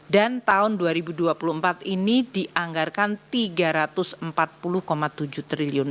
dan tahun dua ribu dua puluh empat ini dianggarkan rp tiga ratus empat puluh tujuh triliun